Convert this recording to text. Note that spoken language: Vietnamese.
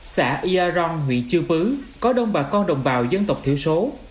xã ia rong huyện chư pứ có đông bà con đồng bào dân tộc thiểu số